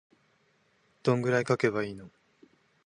どんくらい書けばいいの